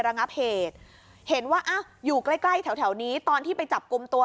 กระงับเหตุเห็นว่าอยู่ใกล้แถวนี้ตอนที่ไปจับกลุ่มตัว